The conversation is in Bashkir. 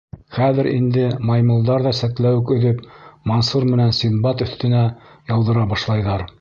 Хәҙер инде маймылдар ҙа сәтләүек өҙөп Мансур менән Синдбад өҫтөнә яуҙыра башлайҙар.